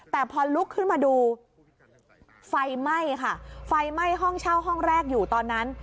แต่พอลุกขึ้นมาดูไฟไหม้ค่ะไฟไหม้ห้องเช่าห้องแรกอยู่ตอนนั้น